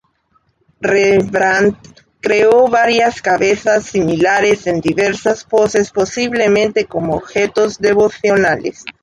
Rembrandt creó varias cabezas similares en diversas poses, posiblemente como objetos devocionales.